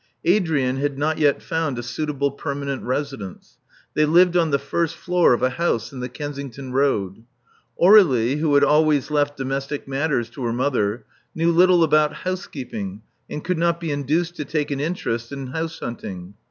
Adrian had not yet found a suitable permanent residence. They lived on the first floor of a house in the Kensington Road. Aur^lie, who had always left domestic matters to her mother, knew little about house keeping, and could not be induced to take an interest in house hunting.